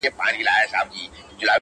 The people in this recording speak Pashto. سونډان مي وسوځېدل;